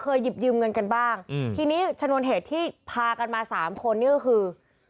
หยิบยืมเงินกันบ้างอืมทีนี้ชนวนเหตุที่พากันมาสามคนนี่ก็คือ